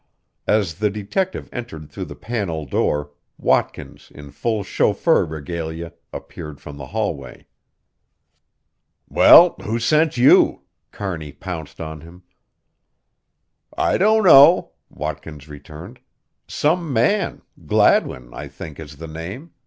As the detective entered through the panel door, Watkins in full chauffeur regalia appeared from the hallway. "Well, who sent you?" Kearney pounced on him. "I don't know," Watkins returned. "Some man Gladwin, I think, is the name.